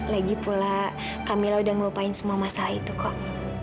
lagi pula camilla udah ngelupain semua masalah itu kok